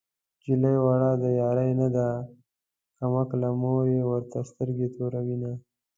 نجلۍ وړه د يارۍ نه ده کم عقله مور يې ورته سترګې توروينه